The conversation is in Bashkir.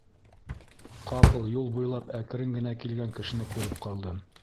Ҡапыл юл буйлап әкрен генә килгән кешене күреп ҡалдым.